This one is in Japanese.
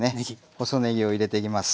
細ねぎを入れていきます。